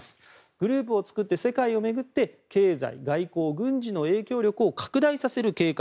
グループを作って世界を巡って経済・外交・軍事の影響力を拡大させる計画。